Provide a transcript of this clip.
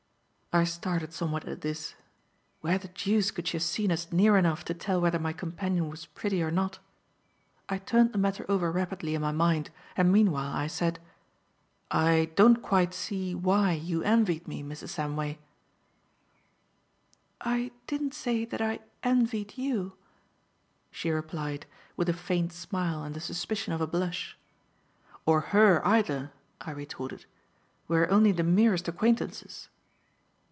I started somewhat at this. Where the deuce could she have seen us near enough to tell whether my companion was pretty or not? I turned the matter over rapidly in my mind, and meanwhile, I said: "I don't quite see why you envied me, Mrs. Samway." "I didn't say that I envied you," she replied, with a faint smile and the suspicion of a blush. "Or her either," I retorted. "We are only the merest acquaintances."